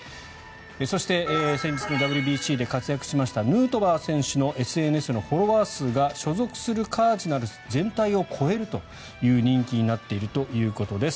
そして先日のＷＢＣで活躍しましたヌートバー選手のＳＮＳのフォロワー数が所属するカージナルス全体を超えるという人気になっているということです。